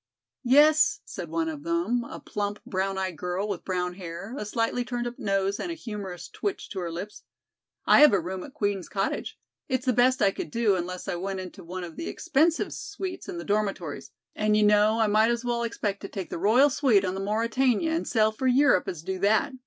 "Yes," said one of them, a plump, brown eyed girl with brown hair, a slightly turned up nose and a humorous twitch to her lips, "I have a room at Queen's cottage. It's the best I could do unless I went into one of the expensive suites in the dormitories, and you know I might as well expect to take the royal suite on the Mauretania and sail for Europe as do that."